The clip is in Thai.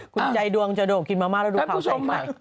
คุณใจดวงจะโดกกินมาม่าแล้วดูขาวใส่ใคร